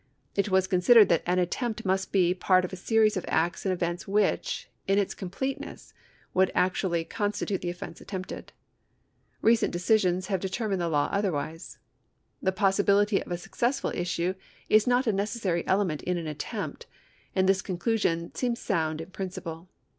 It was considered that an attempt must be part of a seiics of acts and events which, in its completeness, would actually constitule the offence attempted.^ Recent decisions have deter mined the law otherwise.^ The possibility of a successful issue is not a necessary element in an attempt, and this conclusion seems sound in principle.